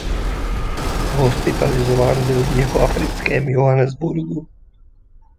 Hospitalizován byl v jihoafrickém Johannesburgu.